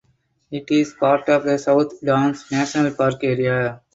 It is part of the South Downs National Park area.